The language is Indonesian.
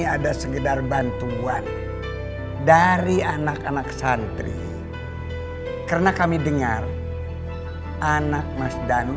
ada segedar bantuan dari anak anak santri karena kami dengar anak mas danu